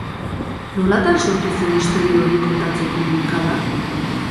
Nolatan sortu zen istorio hori kontatzeko bulkada?